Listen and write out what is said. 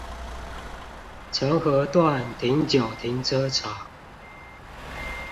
澄合段停九停車場